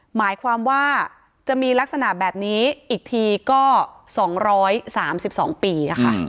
หมายความว่าจะมีลักษณะแบบนี้อีกทีก็๒๓๒ปีค่ะ